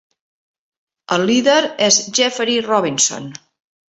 El líder és Jeffery Robinson.